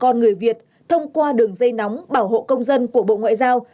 con người việt thông qua đường dây nóng bảo hộ công dân của bộ ngoại giao